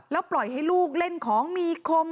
แล้วปล่อยให้ลูกเล่นของมีคม